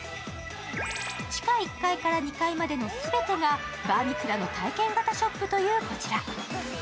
地下１階から２階までの全てがバーミキュラの体験型ショップというこちら。